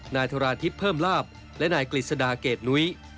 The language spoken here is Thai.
นายธราทิพย์เพิ่มลาบและนายกฤษดาเกรดนุ้ย